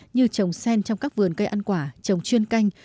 như trồng sen trong các vườn cây ăn quả trồng chuyên canh